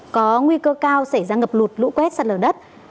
có nguy cơ cao xảy ra ngập lụt lũ quét sạt lở đất